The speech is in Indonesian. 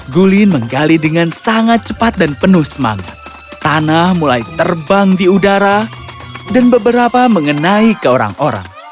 gulin menggali dengan sangat cepat dan penuh semangat tanah mulai terbang di udara dan beberapa mengenai ke orang orang